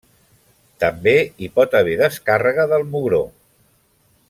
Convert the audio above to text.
També hi pot haver descàrrega del mugró.